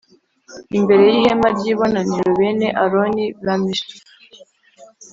imbere y ihema ry ibonaniro bene Aroni bamishe